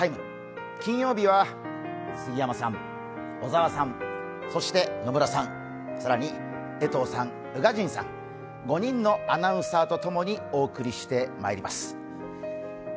金曜日は、杉山さん、小沢さん、そして野村さん、更に江藤さん、宇賀神さん５人のアナウンサーと共にお送りしてまいります。